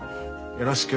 よろしく。